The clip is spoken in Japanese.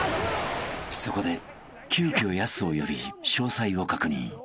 ［そこで急きょやすを呼び詳細を確認］